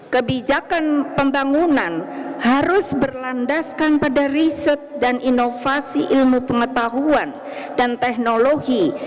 kebijakan pembangunan harus berlandaskan pada riset dan inovasi ilmu pengetahuan dan teknologi